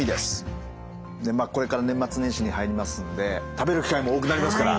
これから年末年始に入りますんで食べる機会も多くなりますから。